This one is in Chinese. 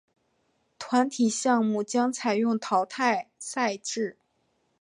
团体项目将采用淘汰赛制。